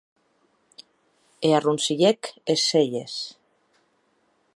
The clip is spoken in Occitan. E arroncilhèc es celhes.